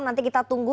nanti kita tunggu